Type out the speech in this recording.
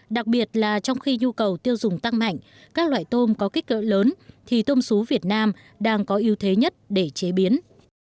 đặc biệt là trong khi nhu cầu tiêu dùng tăng mạnh các loại tôm có kích cỡ lớn thì tôm sú việt nam đang có ưu thế nhất để chế biến